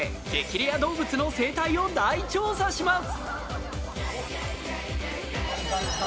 レア動物の生態を大調査します。